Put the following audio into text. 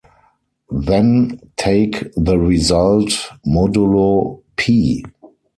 Then take the result modulo "P".